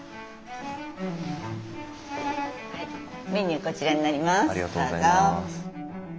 メニューこちらになります。